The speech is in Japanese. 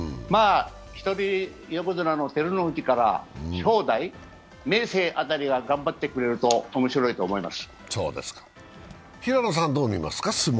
一人横綱の照ノ富士から正代、明生辺りが頑張ってくれると面白いと思います。